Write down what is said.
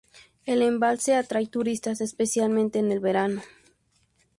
El embalse atrae turistas, especialmente en el verano.